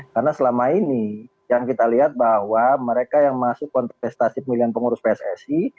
karena selama ini yang kita lihat bahwa mereka yang masuk kontestasi pemilihan pengurus pssi